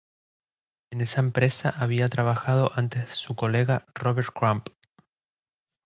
En esa empresa había trabajado antes su colega Robert Crumb.